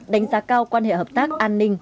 đánh giá cao quan hệ hợp tác an ninh